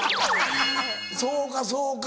そうかそうか。